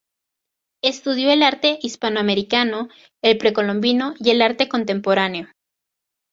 Estudió el arte hispanoamericano, el precolombino y el arte contemporáneo.